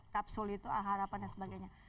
kapsul itu ahara panas sebagainya